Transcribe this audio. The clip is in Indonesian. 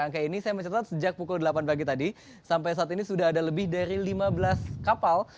oke ini saya mencatat sejak pukul delapan pagi tadi sampai saat ini sudah ada lebih dari lima belas kapal